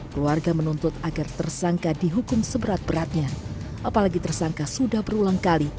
keluarga menuntut agar tersangka dihukum seberat beratnya apalagi tersangka sudah berulang kali